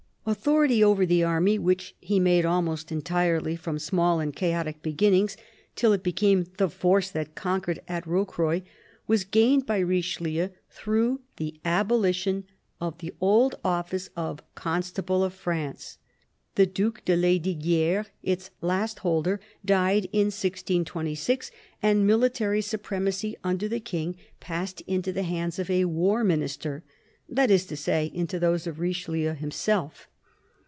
Authority over the army — which he made almost en tirely from small and chaotic beginnings till it became the force that conquered at Rocroy — was gained by Richelieu through the abolition of the old office of Constable of France. The Due de Lesdigui^res, its last holder, died in 1626, and military supremacy under the King passed into the hands of a War Minister — that is to say, into those of Richelieu himself.